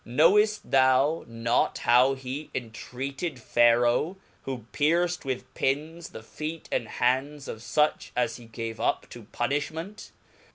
Knoweit: thou not how he entreated Tkiroah, who pierced with pins the feet and hands of luch as he gave up to pim; iliment